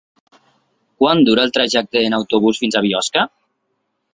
Quant dura el trajecte en autobús fins a Biosca?